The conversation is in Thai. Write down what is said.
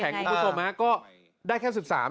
แต่นี่ไงพี่เบิร์ดพี่น้ำแผงพี่กุฏมก็ได้แค่๑๓ใช่ไหม